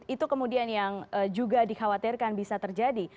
itu kemudian yang juga dikhawatirkan bisa terjadi